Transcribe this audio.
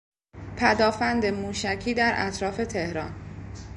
پدآفند موشکی در اطراف تهران